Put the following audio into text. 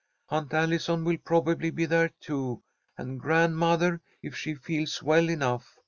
Aunt Allison will probably be there, too, and grandmother, if she feels well enough.